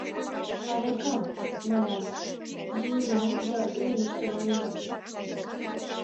Аракам, манам, йӱынам да лумышто маленам.